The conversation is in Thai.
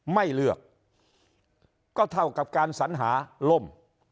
ไม่เลือกก็เท่ากับการสัญหาล่ม